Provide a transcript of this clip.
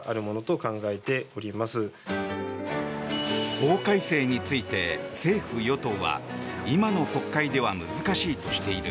法改正について政府・与党は今の国会では難しいとしている。